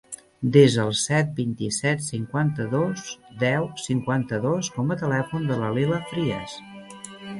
Desa el set, vint-i-set, cinquanta-dos, deu, cinquanta-dos com a telèfon de la Lila Frias.